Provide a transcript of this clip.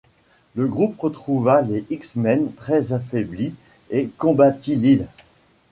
Le groupe retrouva les X-Men, très affaiblis, et combattit l'île.